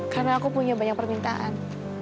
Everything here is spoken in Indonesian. karena aku punya banyak permintaan